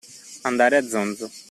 Andare a zonzo.